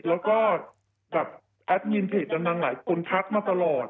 แล้วก็กับแอดมินเพจดังหลายคนทักมาตลอด